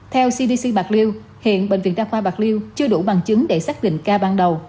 theo cdc bạc liêu hiện bệnh viện đa khoa bạc liêu chưa đủ bằng chứng để xác định ca ban đầu